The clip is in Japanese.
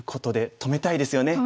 止めたいですね。